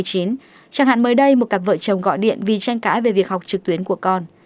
chẳng hạn mới đây một cặp vợ chồng gọi điện vì tranh cãi về việc học trực tuyến của con